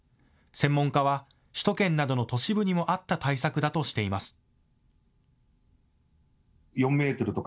専門家は首都圏などの都市部にも合った対策だとしています。